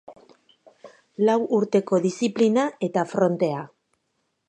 Lau urteko diziplina eta frontea.